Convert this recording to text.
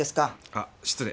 あっ失礼。